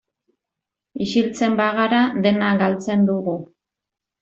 Isiltzen bagara dena galtzen dugu.